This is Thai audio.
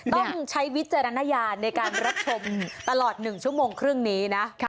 ต้องใช้วิจารณญาณในการรับชมตลอด๑ชั่วโมงครึ่งนี้นะ